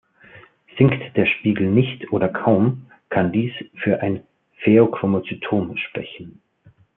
Sinkt der Spiegel nicht oder kaum, kann dies für ein Phäochromozytom sprechen.